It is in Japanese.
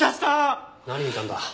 何見たんだ？